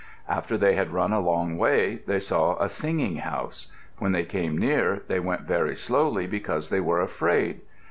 After they had run a long way, they saw a singing house. When they came near, they went very slowly because they were afraid.